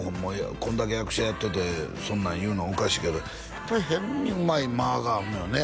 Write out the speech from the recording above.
こんだけ役者やっててそんなん言うのおかしいけどやっぱり変にうまい間があんのよね